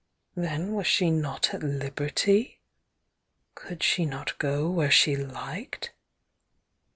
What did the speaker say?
Then was she not at liberty? Could she not go where she liked?